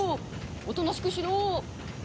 おとなしくしろー！